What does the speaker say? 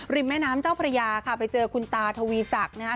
แม่น้ำเจ้าพระยาค่ะไปเจอคุณตาทวีศักดิ์นะคะ